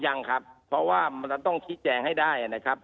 ยังครับเพราะว่ามันจะต้องชี้แจงให้ได้นะครับ